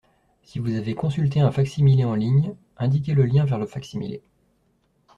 Si vous avez consulté un fac-similé en ligne, indiquez le lien vers le fac-similé.